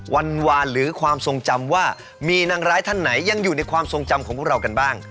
วันวานหรือความทรงจำว่ามีนางร้ายท่านไหนยังอยู่ในความทรงจำของพวกเรากันบ้าง